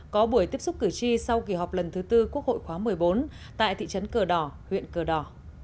có buổi tiếp xúc cử tri sau kỳ họp lần thứ tư quốc hội khóa một mươi bốn tại thị trấn cờ đỏ huyện cờ đỏ